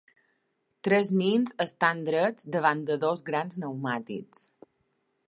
Tres nens estan drets davant de dos grans pneumàtics.